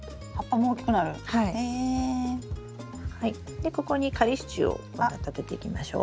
でここに仮支柱をまた立てていきましょう。